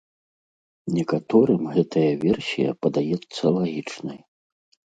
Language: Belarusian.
Некаторым гэтая версія падаецца лагічнай.